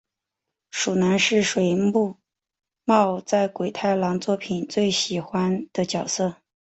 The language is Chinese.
鼠男是水木茂在鬼太郎作品中最喜爱的角色。